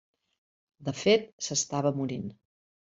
De fet, s'estava morint.